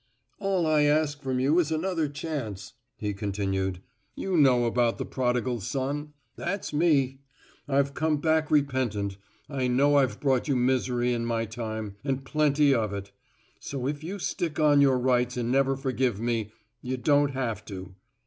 "All I ask from you is another chance," he continued. "You know about the prodigal son. That's me. I've come back repentant. I know I've brought you misery in my time and plenty of it. So if you stick on your rights and never forgive me, you don't have to.